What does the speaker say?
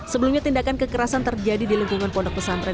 sebelumnya tindakan kekerasan terjadi di lingkungan pondok pesantren